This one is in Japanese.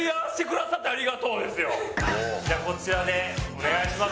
こちらでお願いします。